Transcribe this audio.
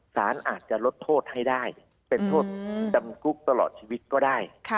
สารอาจจะลดโทษให้ได้เป็นโทษจำคุกตลอดชีวิตก็ได้